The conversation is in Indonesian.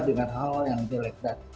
dengan hal yang jelek dan